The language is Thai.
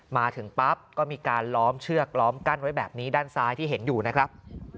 มาถึงปั๊บก็มีการล้อมเชือกล้อมกั้นไว้แบบนี้ด้านซ้ายที่เห็นอยู่นะครับ